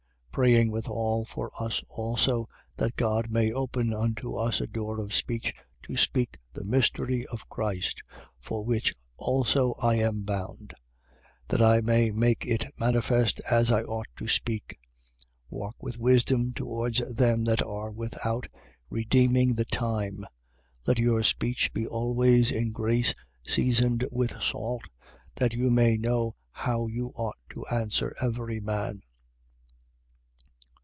4:3. Praying withal for us also, that God may open unto us a door of speech to speak the mystery of Christ (for which also I am bound): 4:4. That I may make it manifest as I ought to speak. 4:5. Walk with wisdom towards them that are without, redeeming the time. 4:6. Let your speech be always in grace seasoned with salt: that you may know how you ought to answer every man.